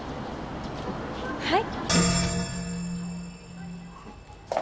はい？